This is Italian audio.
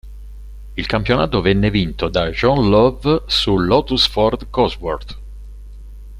Il campionato venne vinto da John Love su Lotus-Ford Cosworth.